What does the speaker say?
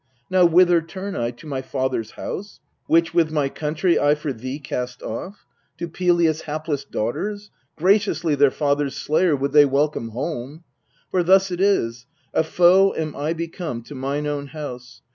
Now, whither turn I ? to my father's house, Which, with my country, I for thee cast off? To Pelias' hapless daughters ? Graciously Their father's slayer would they welcome home ! For thus it is : a foe am I become To mine own house.